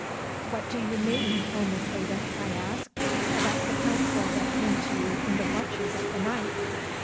"What do you mean, O Maqueda," I asked, "about the counsel that came to you in the watches of the night?"